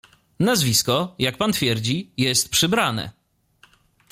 "Nazwisko, jak pan twierdzi, jest przybrane."